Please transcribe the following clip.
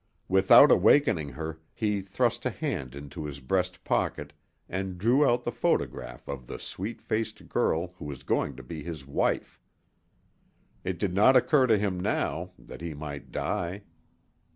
Without awakening her, he thrust a hand into his breast pocket and drew out the photograph of the sweet faced girl who was going to be his wife. It did not occur to him now that he might die.